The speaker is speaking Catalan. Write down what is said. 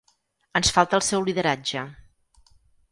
Ens falta el seu lideratge.